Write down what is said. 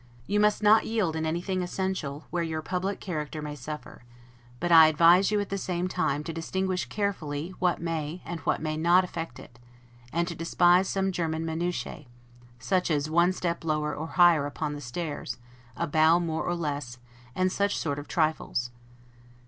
You must not yield in anything essential, where your public character may suffer; but I advise you, at the same time, to distinguish carefully what may, and what may not affect it, and to despise some German 'minutiae'; such as one step lower or higher upon the stairs, a bow more or less, and such sort of trifles.